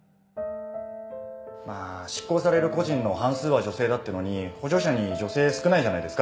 まあ執行される個人の半数は女性だっていうのに補助者に女性少ないじゃないですか。